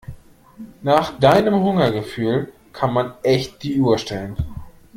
Nach deinem Hungergefühl kann man echt die Uhr stellen.